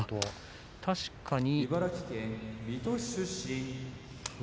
確かに。